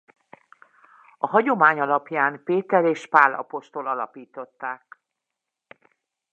A hagyomány alapján Péter és Pál apostol alapították.